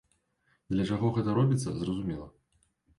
Для чаго гэта робіцца, зразумела.